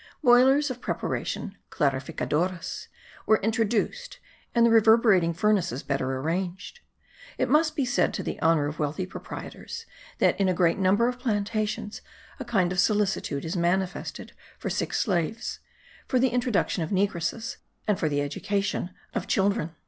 Boilers of preparation (clarificadoras) were introduced and the reverberating furnaces better arranged. It must be said, to the honour of wealthy proprietors, that in a great number of plantations, a kind solicitude is manifested for sick slaves, for the introduction of negresses, and for the education of children.